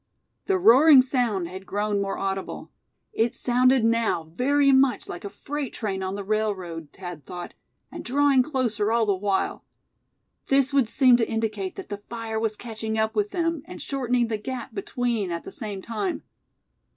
The roaring sound had grown more audible. It sounded now very much like a freight train on the railroad, Thad thought; and drawing closer all the while! This would seem to indicate that the fire was catching up with them, and shortening the gap between at the same time.